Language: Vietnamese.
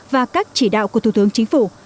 và các chỉ đạo của thủ tướng chính phủ